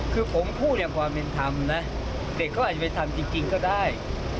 คือผมพูดอย่างความเป็นธรรมนะเด็กเขาอาจจะเป็นธรรมจริงก็ได้